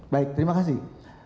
baik terima kasih